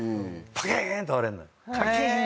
パキーン！って割れんの。